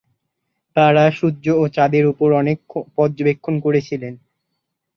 তারা সূর্য ও চাঁদের উপর অনেক পর্যবেক্ষণ করেছিলেন।